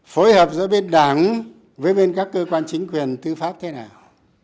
phối hợp giữa bên đảng với bên các cơ quan chính quyền tư pháp thế nào